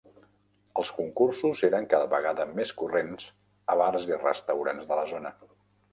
Els concursos eren cada vegada més corrents a bars i restaurants de la zona.